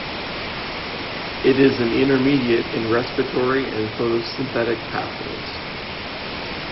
It is an intermediate in respiratory and photosynthetic pathways.